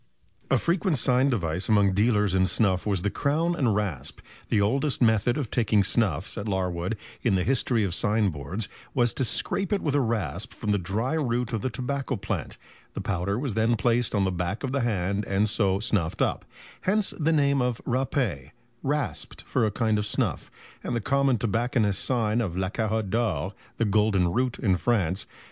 A frequent sign device among dealers in snuff was the Crown and Rasp. The oldest method of taking snuff, says Larwood, in the "History of Signboards," was "to scrape it with a rasp from the dry root of the tobacco plant; the powder was then placed on the back of the hand and so snuffed up; hence the name of râpé (rasped) for a kind of snuff, and the common tobacconist's sign of La Carotte d'or (the golden root) in France."